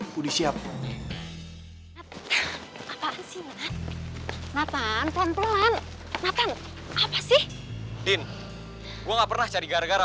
budi siap apaan sih nathan nathan pelan pelan nathan apa sih din gua nggak pernah cari gara gara